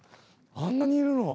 あんなにいるの？